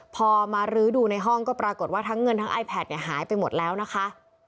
พอมารื้อดูในห้องก็ปรากฏว่าทั้งเงินทั้งไอแพทหายไปหมดแล้วนะคะ